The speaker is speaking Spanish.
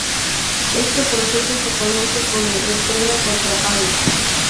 Este proceso se conoce como entrega contra pago.